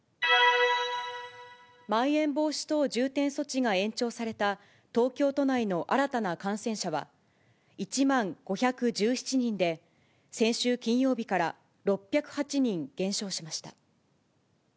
まん延防止等重点措置が延長された東京都内の新たな感染者は、１万５１７人で、先週金曜日から６０８人減少しました。